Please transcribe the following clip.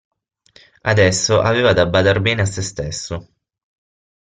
Adesso, aveva da badar bene a sé stesso.